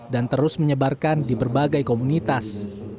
dan terus menyebarkan di berbagai komunitas